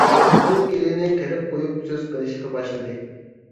ئۇ گېلىنى قىرىپ قويۇپ سۆز قىلىشقا باشلىدى.